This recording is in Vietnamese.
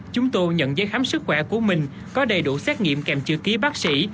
chúng tôi nhận giấy khám sức khỏe của mình có đầy đủ xét nghiệm kèm chữ ký bác sĩ